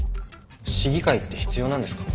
市議会って必要なんですか？